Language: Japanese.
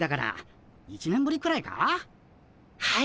はい。